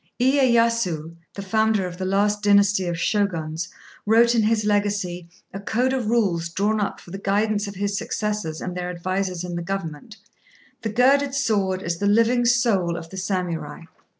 Iyéyasu, the founder of the last dynasty of Shoguns, wrote in his Legacy, a code of rules drawn up for the guidance of his successors and their advisers in the government, "The girded sword is the living soul of the Samurai.